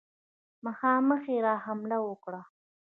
مخامخ یې را حمله وکړه.